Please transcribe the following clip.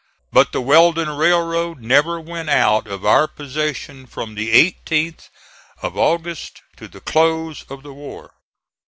But the Weldon Railroad never went out of our possession from the 18th of August to the close of the war.